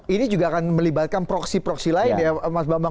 ini juga akan melibatkan proksi proksi lain ya mas bambang